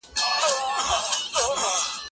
ته ولي لوستل کوې!.